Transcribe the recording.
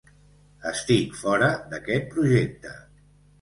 Estic fora d"aquest projecte.